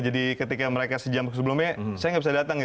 jadi ketika mereka sejam sebelumnya saya nggak bisa datang